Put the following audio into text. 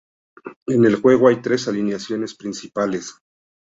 En el juego hay tres alineaciones principales.